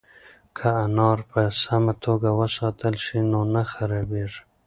که انار په سمه توګه وساتل شي نو نه خرابیږي.